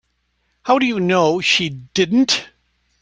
How do you know she didn't?